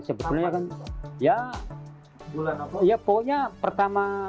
sebetulnya kan ya pokoknya pertama